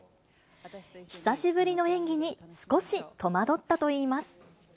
久しぶりの演技に、少し戸惑ったといいます。